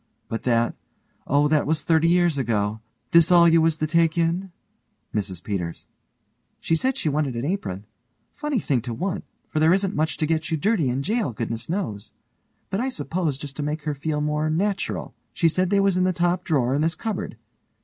But that oh, that was thirty years ago. This all you was to take in? MRS PETERS: She said she wanted an apron. Funny thing to want, for there isn't much to get you dirty in jail, goodness knows. But I suppose just to make her feel more natural. She said they was in the top drawer in this cupboard.